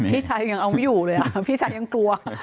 พี่ชายยังเอาไม่อยู่เลยพี่ชายยังกลัว